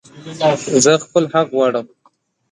زه خپل حق غواړم